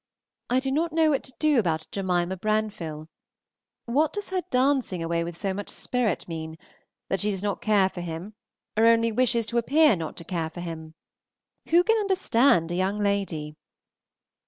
I do not know what to do about Jemima Branfill. What does her dancing away with so much spirit mean? That she does not care for him, or only wishes to appear not to care for him? Who can understand a young lady?